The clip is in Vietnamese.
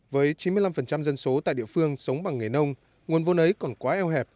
với chín mươi năm dân số tại địa phương sống bằng nghề nông nguồn vốn ấy còn quá eo hẹp